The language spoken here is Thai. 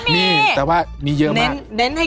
มีแต่ว่ามีเยอะมาก